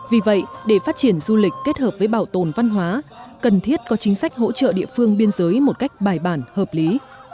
vì vậy để phát triển du lịch kết hợp với bảo tồn văn hóa cần thiết có chính sách hỗ trợ địa phương biên giới một cách bài bản hợp lý